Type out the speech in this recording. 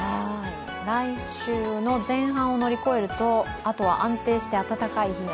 来週の前半を乗り越えるとあとは案内して暖かい日が。